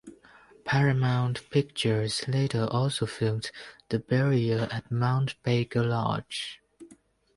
Paramount Pictures later also filmed "The Barrier" at Mount Baker Lodge.